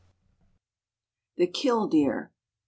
THE KILLDEER.